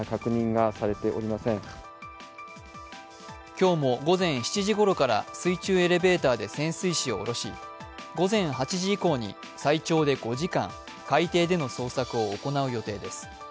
今日も午前７時ごろから水中エレベーターで潜水士を下ろし午前８時以降に最長で５時間、海底での捜索をおこなう予定です。